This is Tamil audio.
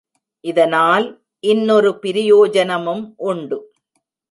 இதனால் இன்னொரு பிரயோஜனமும் உண்டு.